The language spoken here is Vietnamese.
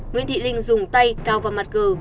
nguyễn thị linh dùng tay cao vào mặt gờ